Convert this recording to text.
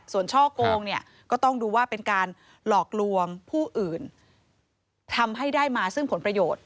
ส่วนช่อโกงเนี่ยก็ต้องดูว่าเป็นการหลอกลวงผู้อื่นทำให้ได้มาซึ่งผลประโยชน์